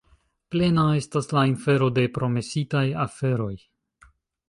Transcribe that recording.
Plena estas la infero de promesitaj aferoj.